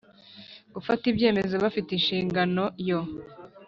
gufata ibyemezo Bafite inshingano yo